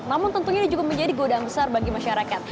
namun tentunya ini juga menjadi godaan besar bagi masyarakat